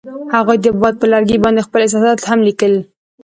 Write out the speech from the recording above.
هغوی د باد پر لرګي باندې خپل احساسات هم لیکل.